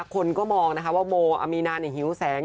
คนก็มองนะคะว่ารามีนาอย่างหิ้วแสง